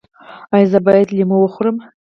ایا زه باید لیمو وخورم؟